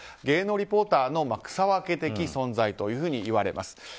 芸能リポーターの草分け的存在というふうにいわれます。